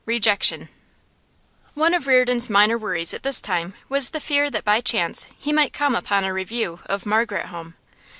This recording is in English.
REJECTION One of Reardon's minor worries at this time was the fear that by chance he might come upon a review of 'Margaret Home.